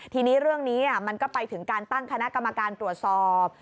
ทีนี้เรื่องนี้มันก็ไปถึงการตั้งคณะกรรมการตรวจสอบ